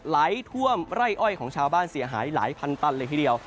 ไหลท่วมไร่อ้อยของชาวบ้านเสียหายหลายพันตันเลยทีเดียว